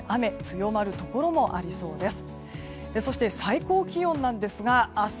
強まるところもありそうです。